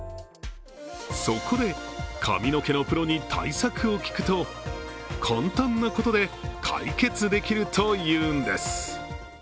そこで、髪の毛のプロに対策を聞くと簡単なことで解決できるというんです。